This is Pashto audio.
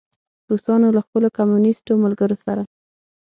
روسانو له خپلو کمونیسټو ملګرو سره.